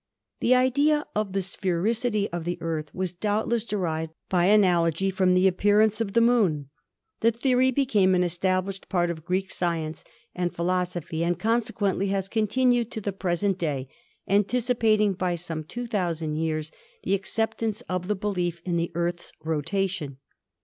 The idea of the sphericity of the Earth was doubtless derived by analogy from the appearance of the Moon. The theory became an established part of Greek science and philosophy and con sequently has continued to the present day, anticipating by some 2,000 years the acceptance of the belief in the Earth's rotation.